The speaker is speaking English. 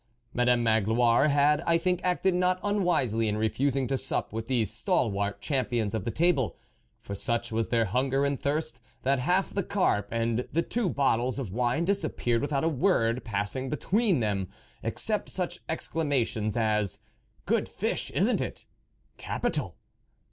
Madame Magloire had, I think, acted not unwisely in refusing to sup with these stalwart champions of the table, for such was their hunger and thirst, that half the carp and the two bottles of wine disap peared without a word passing between them except such exclamations as :" Good fish ! isn't it ?"" Capital